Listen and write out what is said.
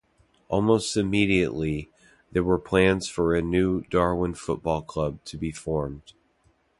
Almost immediately, there were plans for a new Darwen football club to be formed.